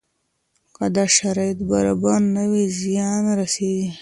که دا شرایط برابر نه وي زیان رسېږي.